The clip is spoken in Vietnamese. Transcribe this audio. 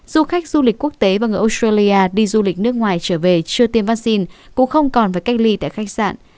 du khách du lịch quốc tế và người australia đi du lịch nước ngoài trở về chưa tiêm vaccine cũng không còn phải cách ly tại khách sạn